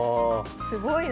すごいな。